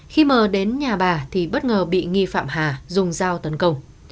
khi m đến nhà bà thì bất ngờ bị nghi phạm hà dùng dao tấn công